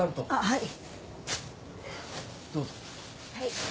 はい。